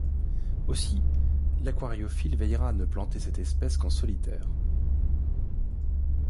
Aussi, l'aquariophile veillera à ne planter cette espèce qu'en solitaire.